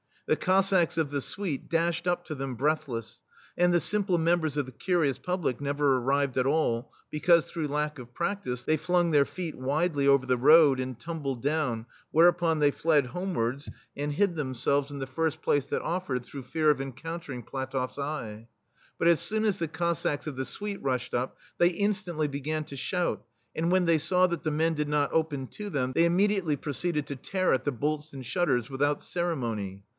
The Cossacks of the Suite dashed up to them breathless, and the simple members of the curi ous public never arrived at all, because, through lack of praflice, they flung their feet widely over the road, and tumbled down, whereupon they fled homewards, and hid themselves in the [41 ] THE STEEL FLEA first place that offered, through fear of encountering PlatofFs eye. But as soon as the Cossacks of the Suite rushed up, they instantly began to shout, and when they saw that the men did not open to them, they immediately proceeded to tear at the bolts and shut ters, without ceremony.